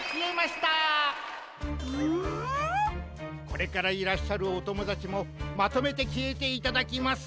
これからいらっしゃるおともだちもまとめてきえていただきます。